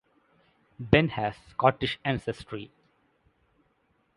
Ben has Scottish ancestry.